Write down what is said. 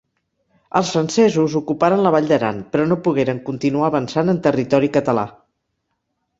Els francesos ocuparen la Vall d'Aran, però no pogueren continuar avançant en territori català.